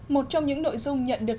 một trong những nội dung nhận được